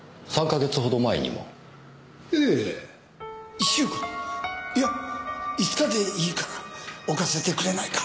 １週間いや５日でいいから置かせてくれないか。